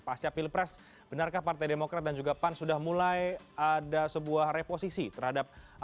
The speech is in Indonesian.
pasca pilpres benarkah partai demokrat dan juga pan sudah mulai ada sebuah reposisi terhadap